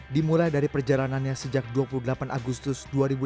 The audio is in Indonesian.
dimulai dari perjalanannya sejak dua puluh delapan agustus dua ribu dua puluh